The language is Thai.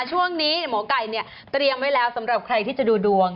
ช่วงนี้หมอไก่เนี่ยเตรียมไว้แล้วสำหรับใครที่จะดูดวง